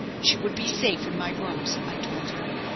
She would be safe in my rooms, I told her.